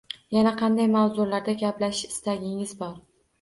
Yana qanday mavzularda gaplashish istagingiz bor?